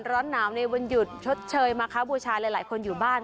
ร้อนหนาวในวันหยุดชดเชยมาค้าบูชาหลายคนอยู่บ้าน